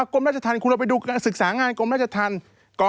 กรมราชธรรมคุณเราไปดูการศึกษางานกรมราชธรรม